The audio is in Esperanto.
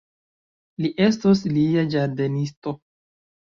Li estos lia ĝardenisto.